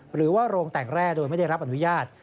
หรือว่าโรงแต่งแร่โดยไม่ได้รับอนุญาต